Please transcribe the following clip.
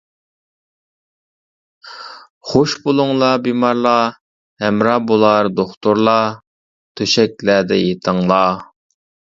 خۇش بولۇڭلار بىمارلار، ھەمراھ بولار دوختۇرلار، تۆشەكلەردە يېتىڭلار!